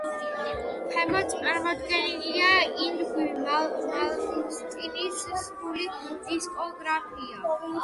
ქვემოთ წარმოდგენილია ინგვი მალმსტინის სრული დისკოგრაფია.